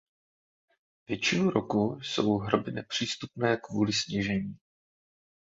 Většinu roku jsou hroby nepřístupné kvůli sněžení.